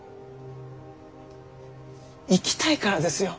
生きたいからですよ。